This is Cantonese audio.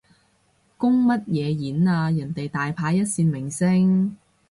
公乜嘢演啊，人哋大牌一線明星